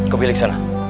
kau pilih sana